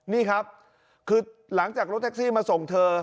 นี่ครับคือหลังจากรถแท็กซี่มาส่งเธอ